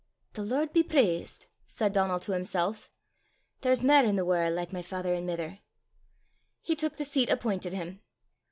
"The Lord be praist!" said Donal to himself; "there's mair i' the warl' like my father an' mither!" He took the seat appointed him.